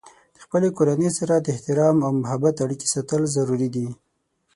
د خپلې کورنۍ سره د احترام او محبت اړیکې ساتل ضروري دي.